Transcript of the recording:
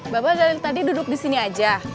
bapak dari tadi duduk disini aja